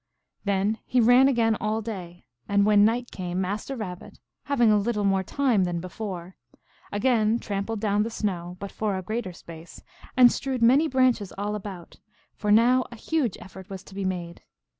Then he ran again all day. And when night came, Master Rabbit, having a little more time than before, again trampled down the snow, but for a greater space, and strewed many branches all about, for now a huge effort was to be made.